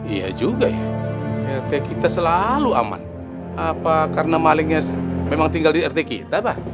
iya juga ya rt kita selalu aman apa karena malingnya memang tinggal di rt kita